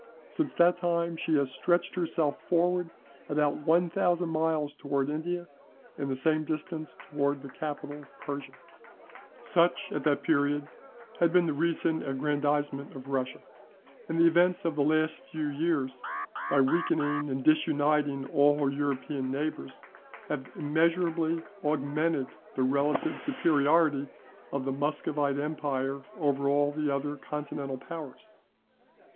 Since that time she has stretched herself forward about one thousand miles towards India, and the same distance towards the capital of Persia." [Progress of Russia in the East. p. 142.] Such, at that period, had been the recent aggrandisement of Russia; and the events of the last few years, by weakening and disuniting all her European neighbours, have immeasurably augmented the relative superiority of the Muscovite empire over all the other continental powers.